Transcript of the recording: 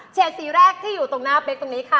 สีแรกที่อยู่ตรงหน้าเป๊กตรงนี้ค่ะ